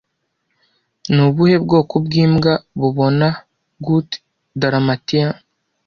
Ni ubuhe bwoko bwimbwa bubona gout Dalmatian